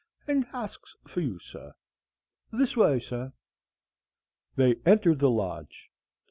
And hasks for you, sir. This way, sir." They entered the lodge.